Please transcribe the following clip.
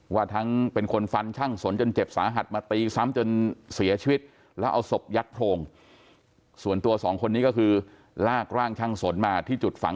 ว่าทั้งเป็นคนฟันช่างสนจนเจ็บสาหัสมาตีซ้ำจนเสียชีวิต